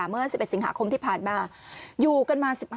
เมื่อ๑๑สิงหาคมที่ผ่านมา